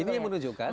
ini yang menunjukkan